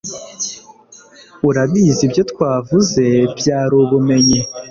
Urabizi ibyo twavuze byari ubumenyi